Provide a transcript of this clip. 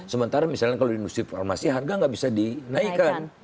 sementara misalnya kalau di industri farmasi harga nggak bisa dinaikkan